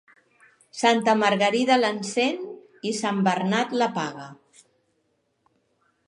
Santa Margarida l'encén i Sant Bernat l'apaga.